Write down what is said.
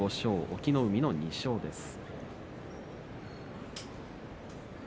隠岐の海の２勝です。